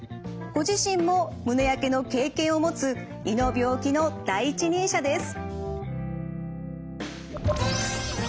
ご自身も胸やけの経験を持つ胃の病気の第一人者です。